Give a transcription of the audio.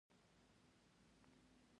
• لمر د هوا د جریان جوړولو کې مرسته کوي.